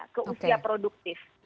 ke usia produktif